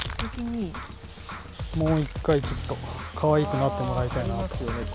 もう一回、ちょっとかわいくなってもらいたいなと。